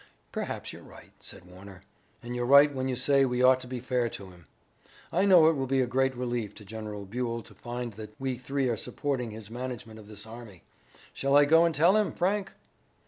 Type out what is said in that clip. "Perhaps you're right," said Warner, "and you're right when you say we ought to be fair to him. I know it will be a great relief to General Buell to find that we three are supporting his management of this army. Shall I go and tell him, Frank?"